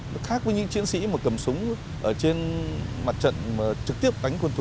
nó khác với những chiến sĩ mà cầm súng ở trên mặt trận mà trực tiếp đánh quân thủ